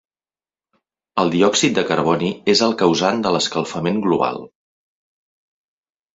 El diòxid de carboni és el causant de l'escalfament global.